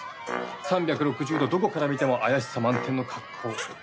３６０度どこから見ても怪しさ満点の格好。